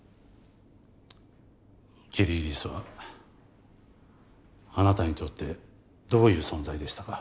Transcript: キリギリスはあなたにとってどういう存在でしたか？